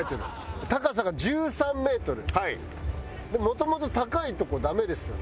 もともと高いとこダメですよね？